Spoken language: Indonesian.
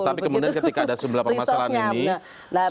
tapi kemudian ketika ada sejumlah permasalahan ini